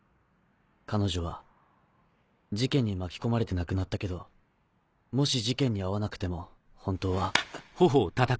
彼女は事件に巻き込まれて亡くなったけどもし事件に遭わなくても本当は。